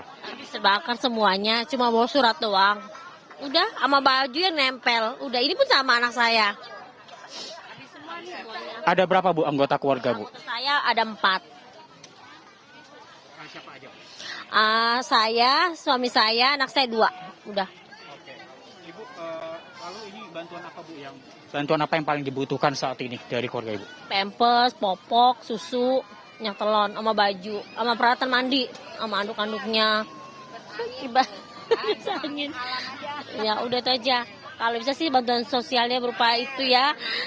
habis terbakar semuanya cuma bawa surat doang udah sama baju yang nempel udah ini pun sama anak saya